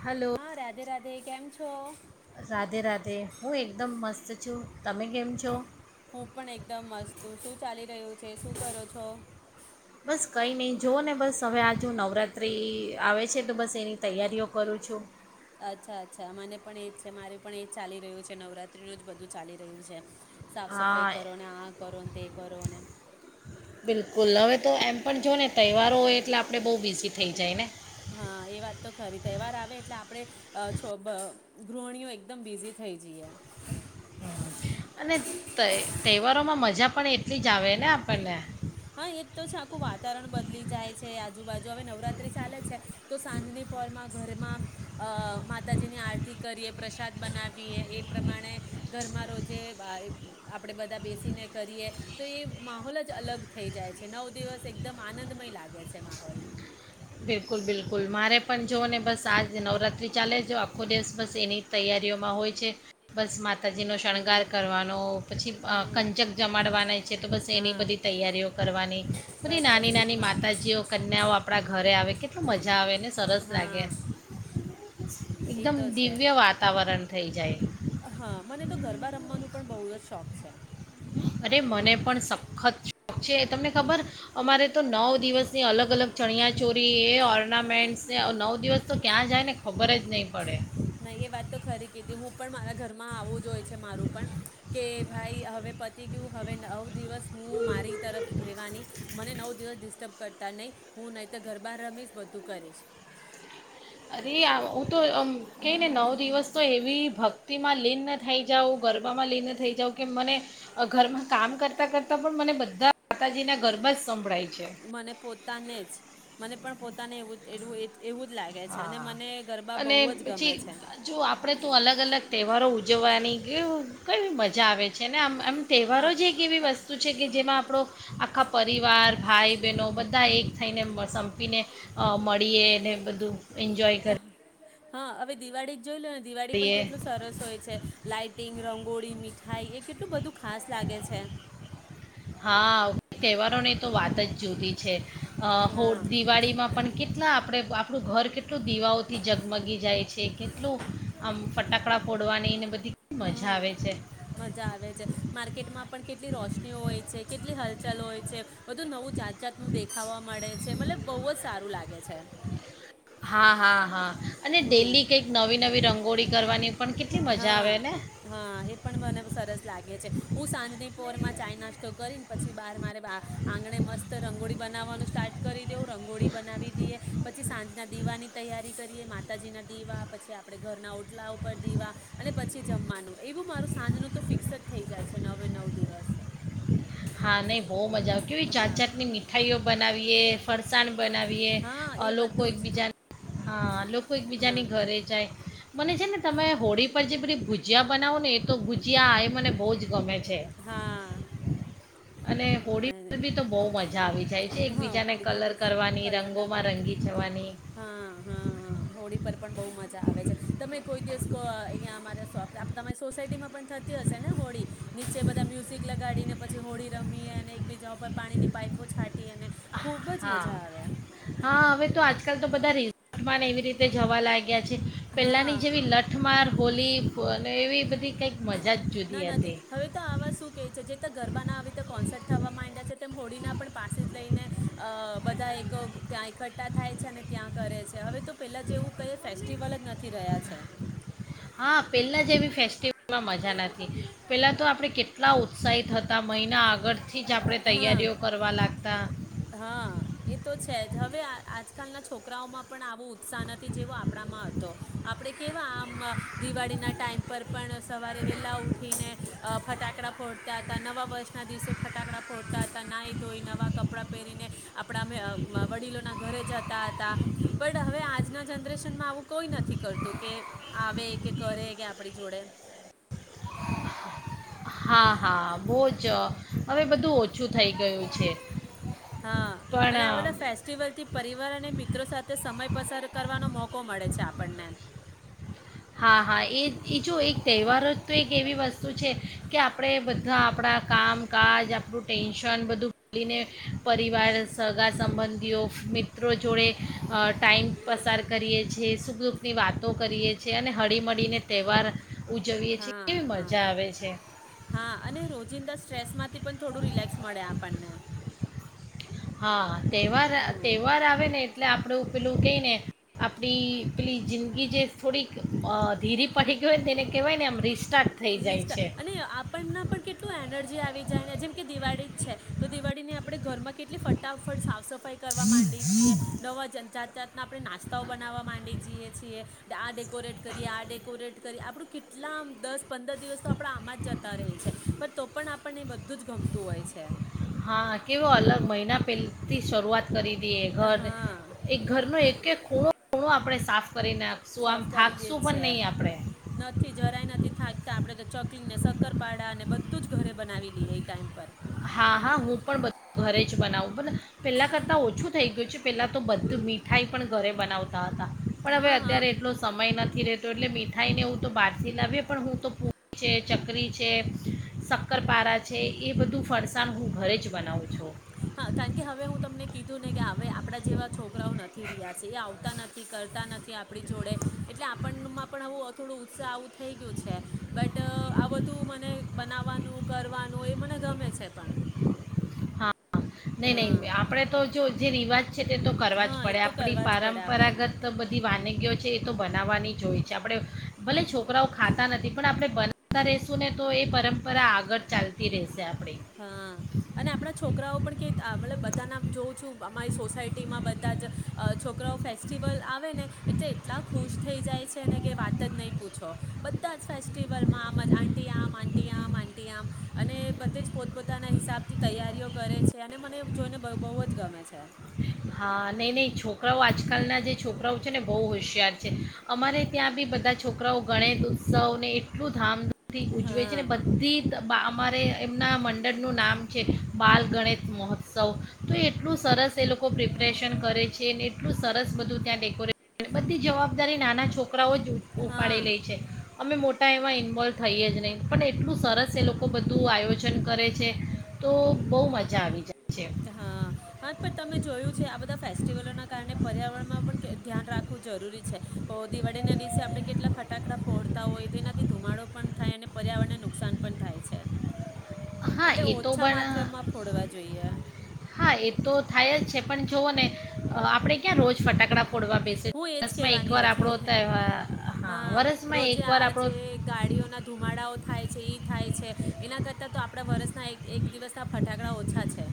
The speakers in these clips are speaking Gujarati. હલો હા રાધે રાધે કેમ છો રાધે રાધે હું એકદમ મસ્ત છું. તમે કેમ છો? હું પણ એકદમ મસ્ત, શું ચાલી રહ્યું છે શું કરો છો? બસ કંઈ નહીં જોઓ ને બસ હવે આજુ નવરાત્રિ આવે છે તો બસ એની તૈયારીઓ કરું છું. અચ્છા અચ્છા મને પણ એજ છે મારું પણ એજ ચાલી રહ્યું છે નવરાત્રીનું જ બધું ચાલી રહ્યું છે. સાફ સફાઈ હા કરો ને આ કરો. તે કોરોને. બિલકુલ હવે તો એમ પણ જો ને તહેવારો હોય એટલે આપણે બહુ બિઝી થઈ જાય ને. હા એ વાત તો ખરી તહેવાર આવે એટલે આપણે અ છ બ ગૃહિણીઓ એકદમ બિઝી થઈ જઈએ. અને તય તહેવારોમાં મજા પણ એટલી જ આવે ને આપણને. હા એજ તો છે આખું વાતાવરણ બદલી જાય છે આજુબાજુ હવે નવરાત્રી ચાલે છે તો સાંજની પરમાં ઘરમાં માતાજીની આરતી કરીએ પ્રસાદ બનાવીએ એ પ્રમાણે ઘરમાં રોજે આપણેે બધા બેસીને કરીએ તો એ માહોલ જ અલગ. થઈ જાય છે નવ દિવસ એકદમ આનંદમય લાગે છે માહોલ. બિલકુલ બિલકુલ મારે પણ જો ને બસ આજ નવરાત્રી ચાલે જો આખો દિવસ બસ એની તૈયારીઓમાં હોય છે. બસ મા તાજીનો શણગાર હમ કરવાનો પછી હમ કંચક જમાડવાના છે તો બસ એની હા બધી તૈયારીઓ કરવાની. બધી બસ બસ નાની એ નાની જ મારે પણ માતાજીઓ કન્યાઓ આપણા આવે કેટલું મજા આવે. ને સરસ લાગે હા એ એકદમ તો છે દિવ્ય વાતાવરણ થઈ જાય. હા મને તો ગરબા રમવાનું પણ બહુ જ શોખ છે. અરે મને પણ સખત છે, તમને ખબર અમારે તો નવ દિવસની અલગ અલગ ચણિયા ચોરી એ ઓર્નામેન્ટસ નવ દિવસ તો ક્યાં જાય ને ને ખબર જ નહીં પડે. નહી એ વાત તો ખરી કીધી હું પણ મારા ઘરમાં આવું જ હોય છે મારું પણ કે ભાઈ હવે પતી ગયું હવે નવ દિવસ હું મારી તરફ રહેવાની. મને નવ દિવસ ડિસ્ટર્બ કરતા નહી હું નહી તો ઘર બાર રમીશ બધું કરીશ. અરે આ હું તો કેઈ ને નવ દિવસ તો એવી ભક્તિમાં લીનન થઈ જાઉં ગરબામાં લીન થઈ જાઉં કે મને ઘરમાં કામ કરતા કરતાં પણ મને બધા માતાજીના ગરબા જ સંભળાય. છે મને પોતાને જ મને પણ પોતાને એવું એનું એ એવું જ લાગે છે અને હા મને ગરબા અને બહુ જ પછી ગમે છે જો આપણેે તો અલગ અલગ તહેવારો ઉજ જવાની કેઉ કવી મજા આવે છે ને આમ. આમ હા તહેવારો જ એક એવી વસ્તુ છે કે જેમાં આપણો આખા પરિવાર ભાઈ બહેનો બધા એક થઈને સંપીને અ મળીએ એને બધું એન્જોય કરે. હા હવે દિવાળી જોઈ લો ને દિવાળી પણ કરીએ કેટલું સરસ હોય છે લાાઈટિંગ ર ગોળી મીઠાઈ એ કેટલું બધું ખાસ લાગે છે. હા તહેવારો ની તો વાત જ જુદી છે. અ હો હા દિવાળીમાં પણ કેટલા આપ આપણે આપણું ઘર કેટલું દીવાઓથી જગમગી જાય છે કેટલું આમ ફટાકડા ફોડવાની ને બધી કેટલી મજા હમ્મ આવે છે મજા આવે છે માર્કેટમાં પણ કેટલી રોશનીઓ હોય છે. કેટલી હલચલ હોય છે. બધું નવું જાત જાતનું દેખાવા મળે છે મતલબ બહુ જ સારું લાગે. ગે છે. હા, હા, હા. અને ડેલી હમ કંઈક નવી નવી રંગોળી કરવાની. પણ કેટલી મજા આવે હા, ને હા એ પણ મને સરસ લાગે છે. હું સાંજની પોરમાં ચાાય નાસ્તો કરીને પછી બહાર મારે આંગણે મસ્ત રંગોળી બનાવવાનું સ્ટાર્ટ કરી. તેઓ રંગોળી બનાવી દઈએ. પછી સાંજના દીવાની તૈયારી કરીએ માતાજીના દીવા પછી આપણે ઘરના ઓટલા ઉપર દીવા. અને પછી જમવાનું એવું મારું સાંજ ન તો ફિક્સ જ થઈ જાય છે નવે નવ દિવસ. હા, નહી બહ મજા આવે કેવી જાાત હા જાાતની મીઠાઈઓ બનાવીએ. પરસાન બનાવીએ હા અ એ લોકો બધું જ એકબીજા હા લોકો એકબીજાને હા ઘરે જાય. મને છે ને તમે હોળી પર જે બધી ભુજીિયા બનાવો ને એ તો ભુજીયા આ એ મને બહુ જ ગમે. છે હા. અને હોળી પર બી તો બહુ મજા આવી જાય છે હા એકબીજાને હોળીના કલર દિસ કરવાની કલર લગા રંગોમાં રંગી જવાની હા હા હા હોળી પર પણ બહ મજા આવે છે તમે કોઈ દિવસ વ અહંયા અમારે તમારી સોસાયટીમાં પણ થતી હશે ને હોળી નીચે બધા મ્યુઝિક લગાડી ને પછી હોળી રમીયે. ને એકબીજા ઉપર પાણીની પાઇપો છાંટીને. હા, હા હવે તો આજ આજકાલ તો બધા રિઝોર્ટમાંને એવી રીતે જવા લાગ હા હોલી અને એવી બધી કંઈક મજા જ ના જુદી નથી હતી હવે તો આવા શું કે છે જે ગરબાના આવીતે કોન્સર્ટ થવા માંડ છે તેમ હોળીના પણ પાસે જ લઈને. અ બધા એક ત્યાં એકઠઠા થાય છે અને ત્યાં કરે છે હવે તો પેલા જેવું ક ફેસ્ટલ લ જ નથી રહ્યા છે. હા પહેલા જે એવી ફેસ્ટિવલમાં મજા નથી પહેલાં તો આપણે કેટલા ઉત્સાહિત હતા મહિના આગળ હા હા એ તો છે જ હવે આજકાલના છોક કરાયોમાં. પણ આવો ઉત્સાહ નથી જેવો આપણામાં હતો. આપણે કેવા આમ દિવાળીના ટાઈમ પર પણ સવારે વેલા ઉઠીને ફટાકડા ફોડતા હતા નવા વર્ષના દિવસે ફટાકડા ફોડતા હતા ના ધોઈ નવા કપડાં પહેરીને આપણા વડીલોના ઘરે જતા હતા પણ હવે આજના જનરેશનમાં આવું કોઈ નથી કરતું કે આવે કે કરે કે આપડી જોડે. હા. હા ભોજ હવે બધું ઓછું થઈ ગયું છે. હા, પણ અને અ, આ બધા ફેસ્ટિવલથી પરિવાર અને મિત્રો સાથે સમય પસાર કરવાનો મોકો મળે છે આપણને. હા હા, એ એ જો એક તહેવાર જ તો એક એવી વસ્તુ છે કે આપડે બધા આપડા કામકાજ આપડુ ટેન્શન બધું ભૂલીને પરિવાર સગા સંબંધીઓ, મિત્રો જોડે અ ટાઈમ પસાર કરીએ છીએ. સુખ દુખની વાતો કરીએ છે, અને હડીમળીને તહેવાર ઉજવીએ છીએ હા કેવી હા મજા આવે છે હા. અને રોજિંદા સ્ટ્રેસમાં પન થોડું રિલેક્સ મળે આપ પનને હા. તેહવાર અ તેહવાર આવે ને એટલે આપ આપડુ પેલું કેય ને આપડી પેલી જિંદગી જે થોડીક અ ધીરી પરી ગ્યી હોય ન તેને કહેવાય ને આમ રીસ રીસ્ટા, અને આપણના પણ કેટલું એનર્જી આવી જાણે, જેમ કે દિવાળી જ છે, તો દિવાળીને આપણે ઘરમાં કેટલી ફટાફટ સાફ સફાઈ કરવા માંડી છીએ. નવા જન જાત જાત ના આપડે નાસ્તાઓ બનાવવા માંડી જીએ છીએ. આ ડેકોરેટ કરીએ આ ડેકોરેટ કરીએ આપડુ કેટલામ દસ પંદર દિવસ તો આપડા આમાં જ જતા રહી છે, પણ તો પણ આપણને બધું જ ગમતું હોય છે. હા, કેવો અલગ મહિના પેલથી શરૂઆત કરી દીએ ઘર. હા એક ઘરનો એક એક ખૂણો ખૂણો આપણે સાફ કરી નાખશું આમ સાફ કરી લ્યે થાકશું પણ છે, નહીં આપણે નથી જરાય નથી થાકતા આપડે તો ચક કલીને સક્કરપાડા અને બધું જ ઘરે બનાવી લીએ એ ટાઈમ પર. હા હા, હું પણ બ ઘરે જ બનાવું મત્લ પહેલાં કરતાં ઓછું થઈ ગ્યું છે, પેલા તો બધું મીઠાઈ પણ ઘરે બનાવતા હતા. પણ હવે હા હા અત્યારે એટલો સમય નથી રેહ તો એટલે મીઠાઈને એવું તો બારથી લાવીએ પણ હું તો પૂ છે, ચકરી છે, શક્કરપારા છે, એ બધું ફરસાણ હું ઘરે જ બનાવું છું. હા, કારન કે હવે હું તમને કીધું ને કે હવે આપડા જેવા છોકરાઓ નથી રીહ્યા સે, એ આવતા નથી કરતા નથી આપડી જોડે એટલે આપણમાં પણ આવું થોડું ઉત્સાહ આવું થઈ ગ્યું છે. બટ આ બધું મને બનાવવાનું કરવાનું એ મને ગમે છે પણ. નહી હા નહી, આપડે તો જો જે રિવાજ છે, તે તો કરવા જ હા એ પડે. તો આપડી કરવા જ પડે આપણને પારંપરાગત બધી વાનગીઓ છે, એ તો બનાવવાની જ હોય છે. આપડે ભલે છોકરાઓ ખા તા નથી. પણ આપડે બના તા રેશું ને તો એ પરંપરા આગળ ચાલતી રેહશે. આપ હા, અને આપણા છોકરાઓ પણ કેત આ મતલબ બધાના જોઉં છું, અમારી સોસાય તેમાં બધા જ અ છો કરાઓ ફેસ્ટિવલ આવે ને એટલે એટલા ખુશ થઈ જાય છે ને કે વાત જ નહીં પૂછો બધા જ ફેસ્ટિવલમાં આમ જ આંટી આમ આંટી આમ આટી આમ અને બધે જ પોતપોતાના હિસાબ થી તૈયારીઓ કરે છે અને મને જોઈને બહુ જ ગમે છે હા, નહી, નહી, છોકરાઓ આજકાલના જે છોકરાઓ છે ને બહુ હોશિયાર છે અમારે ત્યાં બી બધા છોકરાઓ ગણિત ઉત્સવને એટલું ધામ બી ઉજવે છે ને હા બધી અમારે એમના મંડળનું નામ છે બાલ ગણિત મહોત્સવ, તો એટલું સરસ એ લોકો પ્રિપરેશન કરે છેને એટલું સરસ બધું ત્યાં ડેકોરેશ બધી જવાબદારી નાના છોકરી છોકરાઓ જ હા ઉપાડી લે છે અમે મોટા એવા ઇવોલ્વ થઈએ જ નહીં પણ એટલું સરસ એ લોકો બધું આયોજન કરે છે, તો બહુ મજા આવી જાય છે હા, હા, પણ તમે જોયું છે આ બધા ફેસ્ટિવલોના કારણે પર્યાવરણમાં પણ ધ્યાન રાખવું જરૂરી છે દિવાળી ના દિવસે આપણે કેટલા ફટાકડા ફોડતા હોય તો તેનાથી ધુમાડો પણ થાય અને પર્યાવરણને નુકસાન પણ થાય છે હા એટલે એ તો ઓછા પણ માત્રા માં ફોડવા જોઈએ હા એ તો થાય જ છે પણ જોઓ ને આપડે ક્યાં રોજ ફટાકડા ફોડવા બેસે હું એજ વરસમાં કેવાની એકવાર આપણો હતી, તહેવાર હા વરસમાં રોજે એકવાર આ આપણો જે ગાડીઓના ધુમાડાઓ થાય છે ઈ થાય છે એના કરતા તો આપડા વર્ષના એક દિવસ ના ફટાકડા ઓછા છે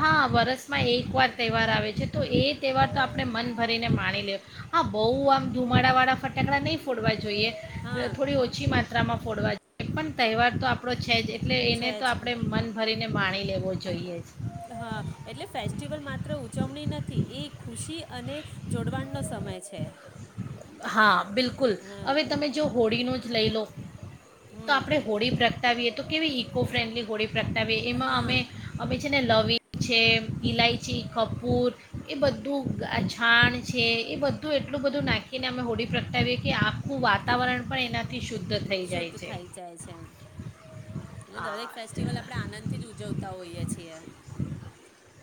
હા વરસમાં એકવાર તહેવાર આવે છે તો એ તહેવાર તો આપણે મન ભરીને માણી લ હા બહુ આમ ધુમાડા વાળા ફટાકડા નહીં ફોડવાય જોઈએ હા થોડી ઓછી માત્રામાં ફોડવા એ પણ તહેવાર તો આપણો છે જ એટલે એને છે તો છે આપડે મન ને માણી લેવો જોઈએ જ હા એટલે ફેસ્ટિવલ માત્ર ઉજવણી નથી એ ખુશી અને જોડવાણનો સમય છે હા બિલકુલ હા હવે તમે જો હોળીનો જ લઈ લો તો હમ આપણે હોળી પ્રગટાવીએ તો કેવી ઇકો ફ્રેન્ડલી પ્રગટાવી એમાં હા અમે અમે છે ને લવીગ છે ઇલાયચી, કપૂર એ બધું છાણ છે એ બધું એટલું બધું નાખ્યું ને અમે હોડી પ્રગટાવીએ કે આખું વાતાવરણ પણ એનાથી શુદ્ધ થઈ જાય શુદ્ધ છે થઈ જાય છે એટલે દરેક ફેસ્ટિવલ હા આપણે આનંદથી જ ઉજવતા હોઈએ છીએ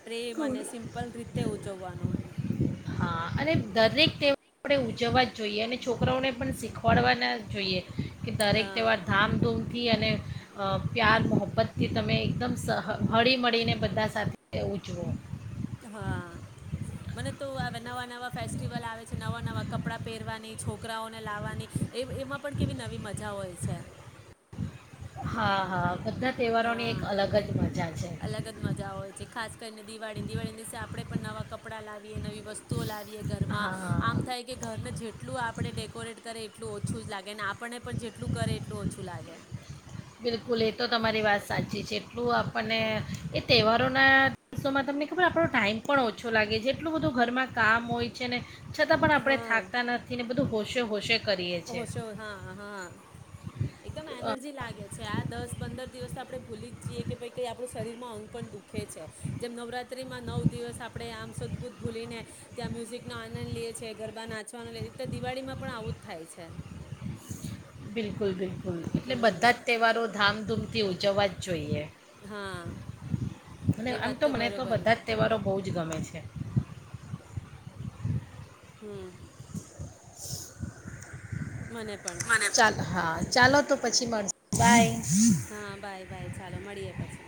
ટ્રે મને સિમ્પલ રીતે ઉજવવાનું હા અને દરેક તે આપણે ઉજવવા જ જોઈએ અને છોકરાઓને પણ શીખવાડવાના જોઈએ કે દરેક તહેવાર હા ધામધૂમ થી અને પ્યાર મોહબ્બતથી તમે એકદમ સ હળી મળળીને બધા સાથેવું જો હા મને તો નવા નવા ફેસ્ટિવલ આવે છે નવા નવા કપડાં પહેરવાની છોકરાઓને લાવવાની એમાં પણ કેવી નવી મજા હોય છે. હા હા બધા તહેવારોની હા એક અલગ જ મજા છે અલગ જ મજા હોય છે ખાસ કરીને દિવાળી દિવાળી [inaudible] આપડે પણ નવા કપડા લાવ એ નવી વસ્તુઓ લાવીએ ઘરમાં હા આમ થાય કે ઘર જે, જેટલું આપણે ડેકોરેટ કરે એટલું ઓછું જ લાગે ને આપણને પણ જેટલું કરે એટલું ઓછું લાગે બિલકુલ એ તો તમારી વાત સાચી છે. ટલું આપણને એ તહેવાર કરરોના દિવસોમાં તમને ખબર આપણો ટાઈમ પણ ઓછો લાગે છે એટલું બધું ઘરમાં કામ હોય છે ને, છતાં પણ આપણે થાકતા નથી ને બધું હોશ શે ઓશ્યો હા હા એકદમ તો, અ, એનર્જી લાગે છે આ દસ પંદર દિવસ આપડણે ભૂલી જ જઈએ કે પ આપણું શરીરમાં અંગ પણ દુખે છે જેમ [inaudible] નવ દિવસ આપડણે આમ સદભુત ભૂલીને ત્યાં મ્યુઝિક નો આનંદ લઈએીએ ગરબા નાચવા લએ્યા દિવાળીમાં પણ આવું. ઉ થાય છે. બિલકુલ બલકલ એટલે હમ બધા જ તહેવારો ધામધૂમ તે ઉજવવા જ જોઈએ. હા અને એ આમ વાત તો મને તો બરોબર બધા જ તહેવારો બહ જ ગમે છે. હમ મને પણ ચાલ હા ચાલો તો પછી મળશે બાય. હા બાય બાય. ચાલો મળીએ પછી.